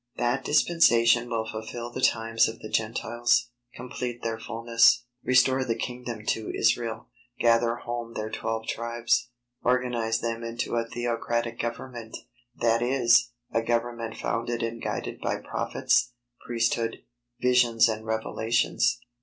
That dispensation will fulfil the times of the Gentiles, complete their fulness, restore the kingdom to Israel, gather home their twelve tribes, organize them into a theocratic government, that is, a government founded and guided by Prophets, Priesthood, visions and revelations.